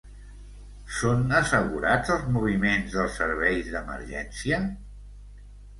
Són assegurats els moviments dels serveis d’emergència?